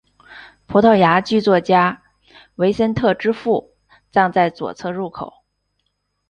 葡萄牙剧作家维森特之父葬在左侧入口。